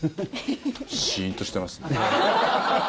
シーンとしていますね。